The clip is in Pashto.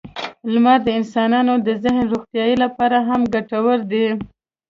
• لمر د انسانانو د ذهني روغتیا لپاره هم ګټور دی.